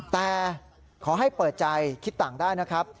แต่ขอให้เปิดใจคิดต่างได้นะครับ